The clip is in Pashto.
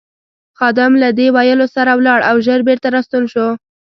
خادم له دې ویلو سره ولاړ او ژر بېرته راستون شو.